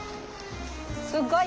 すっごい！